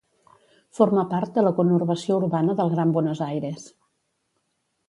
Forma part de la conurbació urbana del Gran Buenos Aires.